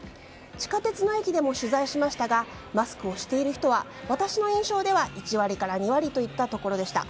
地下鉄の駅でも取材しましたがマスクをしている人は私の印象では、１割から２割といったところでした。